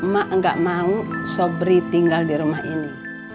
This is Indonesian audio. mak gak mau sobri tinggal di rumah ini